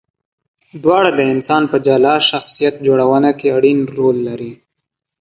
دواړه د انسان په جلا شخصیت جوړونه کې اړین رول لري.